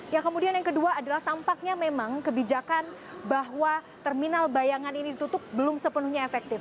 yang kemudian yang kedua adalah tampaknya memang kebijakan bahwa terminal bayangan ini ditutup belum sepenuhnya efektif